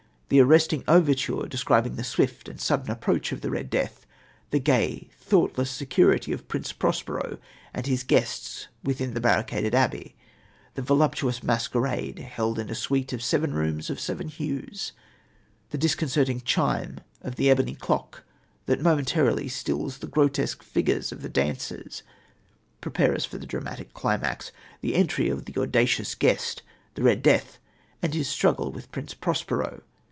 The arresting overture describing the swift and sudden approach of the Red Death, the gay, thoughtless security of Prince Prospero and his guests within the barricaded abbey, the voluptuous masquerade held in a suite of seven rooms of seven hues, the disconcerting chime of the ebony clock that momentarily stills the grotesque figures of the dancers, prepare us for the dramatic climax, the entry of the audacious guest, the Red Death, and his struggle with Prince Prospero.